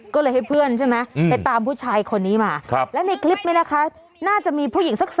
ก็เลยให้เพื่อนใช่ไหมไปตามผู้ชายคนนี้มาและในคลิปนี้นะคะน่าจะมีผู้หญิงสัก